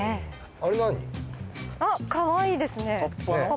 あっかわいいですね。